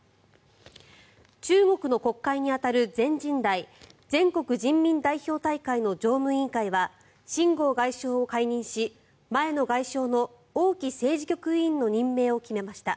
中国の国会に当たる全人代・全国人民代表大会の常務委員会は秦剛外相を解任し前の外相の王毅政治局委員の任命を決めました。